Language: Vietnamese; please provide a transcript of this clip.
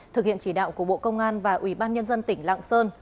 thực hiện chỉ đạo của bộ công an và ủy ban nhân dân tỉnh lạng sơn